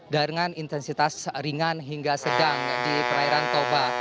dengan intensitas ringan hingga sedang di perairan toba